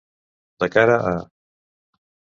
De cara a.